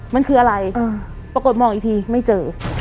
มันคืออะไรปรากฏมองอีกทีไม่เจอ